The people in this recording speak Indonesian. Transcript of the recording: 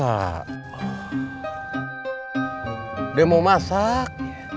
udah mau masak